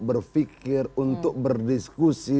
berpikir untuk berdiskusi